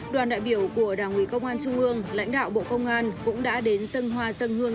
đoàn đại biểu của đảng ủy công an trung ương lãnh đạo bộ công an cũng đã đến dân hoa dân hương